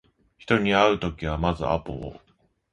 人に会うときはまずアポを